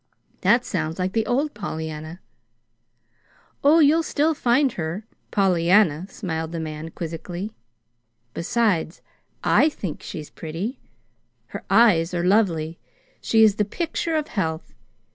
"That sounds like the old Pollyanna." "Oh, you'll still find her Pollyanna," smiled the man, quizzically. "Besides, I think she's pretty. Her eyes are lovely. She is the picture of health.